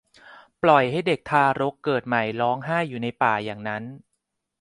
ปล่อยให้เด็กทารกเกิดใหม่ร้องไห้อยู่ในป่าอย่างนั้น